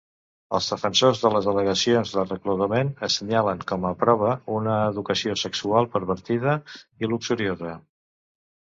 Els defensors de les al·legacions de reclutament assenyalen com a prova una educació sexual "pervertida" i "luxuriosa".